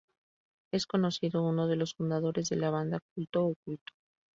Es conocido uno de los fundadores de la banda Culto Oculto.